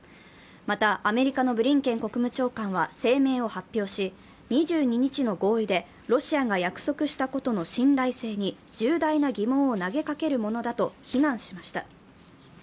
またアメリカのブリンケン国務長官は声明を発表し、２２日の合意でロシアが約束したことの信頼性に重大な疑問を投げかけるものだと非難しました。